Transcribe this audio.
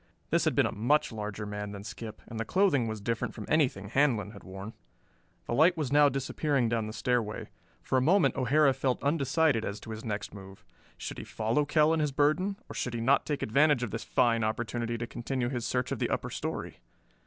This had been a much larger man than Skip, and the clothing was different from anything Handlon had worn. The light was now disappearing down the stairway. For a moment O'Hara felt undecided as to his next move. Should he follow Kell and his burden, or should he not take advantage of this fine opportunity to continue his search of the upper story?